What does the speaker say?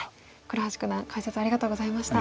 倉橋九段解説ありがとうございました。